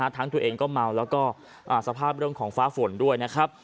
ตัวเองก็เมาแล้วก็สภาพเรื่องของฟ้าฝนด้วยนะครับ